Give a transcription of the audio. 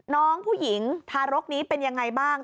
น้องผู้หญิงทารกนี้เป็นยังไงบ้าง